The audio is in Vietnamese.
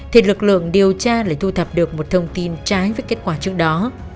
thì lực lượng điều tra lại thu thập được một thông tin trái với kết quả trước đó